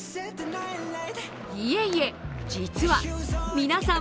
いえいえ、実は皆さん